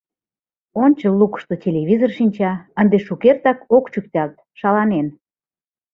Ончыл лукышто телевизор шинча — ынде шукертак ок чӱкталт, шаланен.